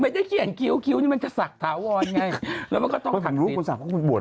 ไม่ได้เขียนคิ้วคิ้วนี่มันจะศักดิ์ถวันไงแล้วมันก็ต้องทั่งติด